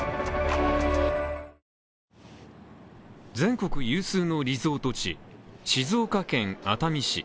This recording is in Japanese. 全国有数のリゾート地、静岡県熱海市。